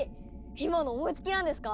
今の思いつきなんですか？